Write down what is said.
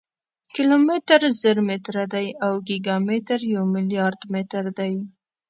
کیلومتر زر متره دی او ګیګا متر یو ملیارډ متره دی.